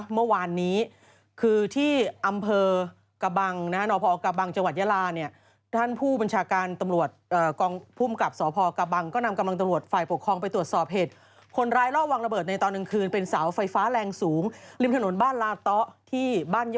เมื่อวานนี้คือที่อำเภอกบังนะนี่